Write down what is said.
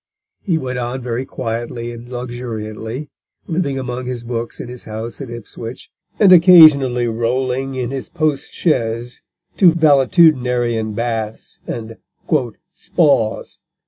He went on very quietly and luxuriantly, living among his books in his house at Ipswich, and occasionally rolling in his post chaise to valetudinarian baths and "Spaws."